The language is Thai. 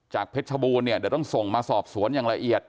เพชรชบูรณเนี่ยเดี๋ยวต้องส่งมาสอบสวนอย่างละเอียด